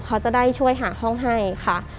เขาจะได้ช่วยหาห้องให้ค่ะ